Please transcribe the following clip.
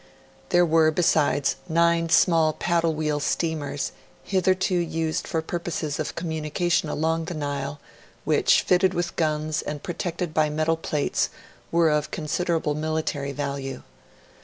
There were, besides, nine small paddle wheel steamers, hitherto used for purposes of communication along the Nile, which, fitted with guns and protected by metal plates, were of considerable military value.